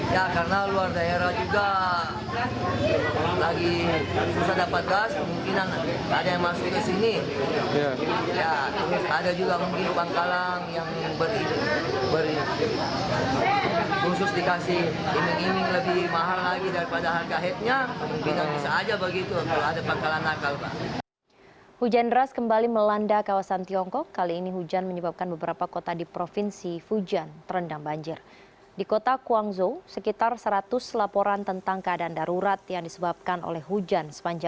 ya karena luar daerah juga lagi susah dapat gas kemungkinan ada yang masuk ke sini